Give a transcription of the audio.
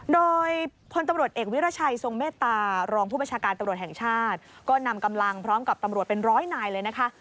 โดยพลตำรวจเอกวิรัชัยทรงเมตตารองผู้บัญชาการตำรวจแห่งชาติก็นำกำลังพร้อมกับตำรวจเป็นร้อยนายเลยนะคะ